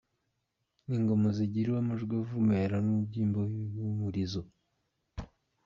Ni ingoma zigira amajwi avumera n’Umubyimba w’Ibihumurizo.